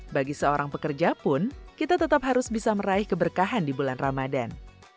bagi seorang pekerja pun kita tetap harus bisa meraih keberkahan di bulan ramadan